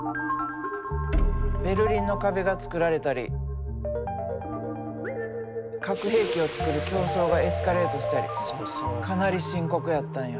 ベルリンの壁が作られたり核兵器を作る競争がエスカレートしたりかなり深刻やったんや。